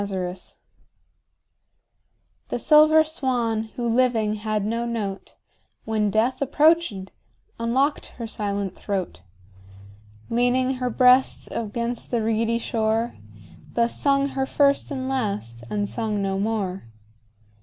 6 Autoplay The silver swan, who living had no note, When death approach'd, unlock'd her silent throat; Leaning her breast against the reedy shore, Thus sung her first and last, and sung no more.